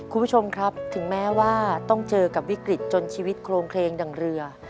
คุณผู้ชมครับถึงแม้ว่าต้องเจอกับวิกฤตจนชีวิตโครงเคลงดังเรือ